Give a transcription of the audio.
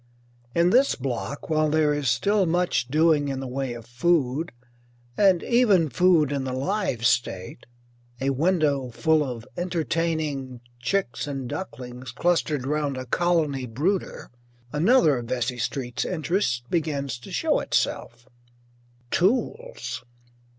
In this block, while there is still much doing in the way of food and even food in the live state, a window full of entertaining chicks and ducklings clustered round a colony brooder another of Vesey Street's interests begins to show itself. Tools.